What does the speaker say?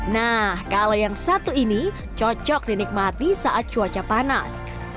nah kalau yang satu ini cocok dinikmati saat cuaca panas